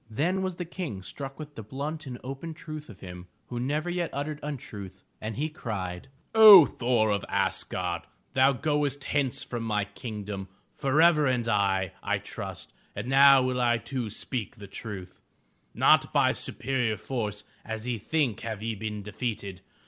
Then was the King struck with the blunt and open truth of him who never yet uttered untruth, and he cried: 441 M Y BOOK HOUSE 0h Thor, of Asgard, thou goest hence from my kingdom, —• forever and aye I trust, and now will I too speak the truth. Not by superior force, as ye think have ye been defeated.